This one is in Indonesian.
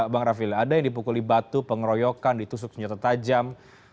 bang rafili ada yang dipukuli batu pengeroyokan ditusuk senjata tajam